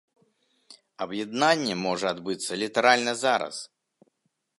Аб'яднанне можа адбыцца літаральна зараз.